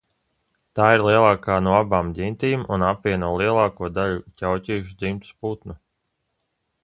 Tā ir lielākā no abām ģintīm un apvieno lielāko daļu ķauķīšu dzimtas putnu.